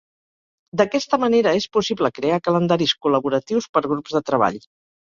D'aquesta manera és possible crear calendaris col·laboratius per grups de treball.